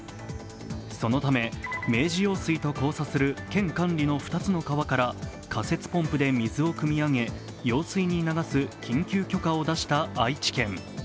そのため、明治用水と交差する県管理の２つの皮から仮設ポンプで水をくみ上げ、用水に流す緊急許可を出した愛知県。